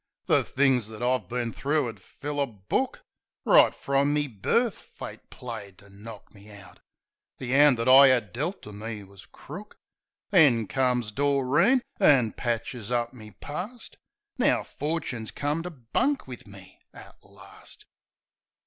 The things that I've been thro' 'ud fill a book. Right f rum me birf Fate played to knock me out ; The 'and that I 'ad dealt to me was crook! Then comes Doreen, an' patches up me parst; Now Forchin's come to bunk wiv me at larst.